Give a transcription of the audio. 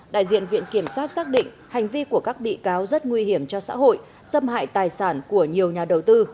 đại diện viện kiểm sát xác định hành vi của các bị cáo rất nguy hiểm cho xã hội xâm hại tài sản của nhiều nhà đầu tư